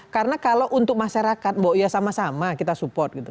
karena kalau untuk masyarakat ya sama sama kita support gitu